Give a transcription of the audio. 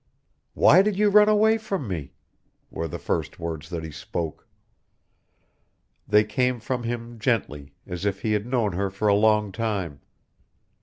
"Why did you run away from me?" were the first words that he spoke. They came from him gently, as if he had known her for a long time.